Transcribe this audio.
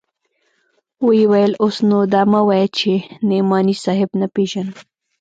ويې ويل اوس نو دا مه وايه چې نعماني صاحب نه پېژنم.